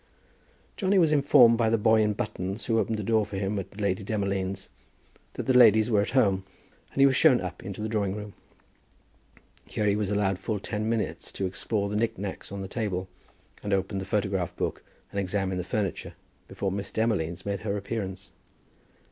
Johnny was informed by the boy in buttons, who opened the door for him at Lady Demolines', that the ladies were at home, and he was shown up into the drawing room. Here he was allowed full ten minutes to explore the knicknacks on the table, and open the photograph book, and examine the furniture, before Miss Demolines made her appearance.